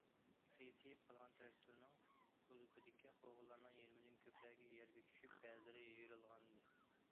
قىيسىيىپ قالغان تىراكتورنىڭ كوزۇپىدىكى قوغۇنلارنىڭ يېرىمىدىن كۆپرەكى يەرگە چۈشۈپ، بەزىلىرى يېرىلغانىدى.